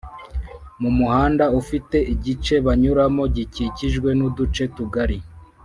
Mu muhanda ufite igice banyuramo gikikijwe n'uduce tugari